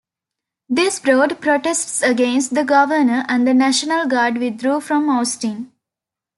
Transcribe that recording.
This brought protests against the governor, and the National Guard withdrew from Austin.